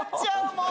もう。